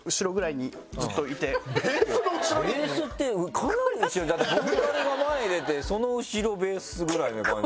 ベースってかなり後ろだってボーカルが前に出てその後ろベースぐらいな感じ。